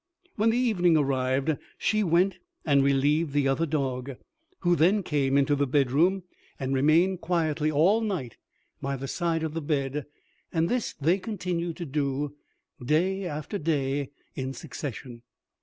When the evening arrived, she went and relieved the other dog, who then came into the bedroom, and remained quietly all night by the side of the bed, and this they continued to do day after day in succession.